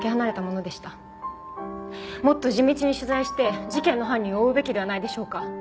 もっと地道に取材して事件の犯人を追うべきではないでしょうか？